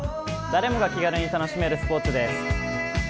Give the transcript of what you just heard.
誰もが気軽に楽しめるスポーツです。